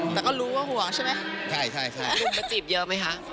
แต่ก็รู้ว่าห่วงใช่ไหมใช่ใช่หนุ่มมาจีบเยอะไหมคะ